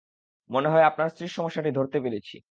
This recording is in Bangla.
মনে হয় আপনার স্ত্রীর সমস্যাটি ধরতে পেরেছি।